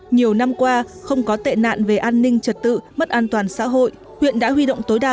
nhiều năm qua không có tệ nạn về an ninh trật tự mất an toàn xã hội huyện đã huy động tối đa